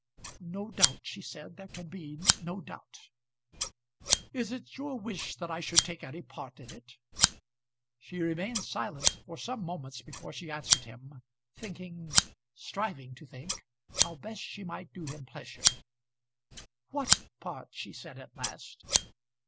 "No doubt;" she said. "There can be no doubt." "Is it your wish that I should take any part in it?" She remained silent, for some moments before she answered him, thinking, striving to think, how best she might do him pleasure. "What part?" she said at last.